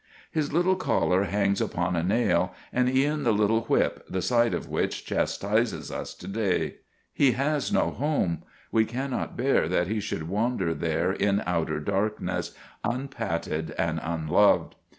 His little collar hangs upon a nail, and e'en the little whip, the sight of which chastises us to day. He has no home. We cannot bear that he should wander there in outer darkness, unpatted and un loved.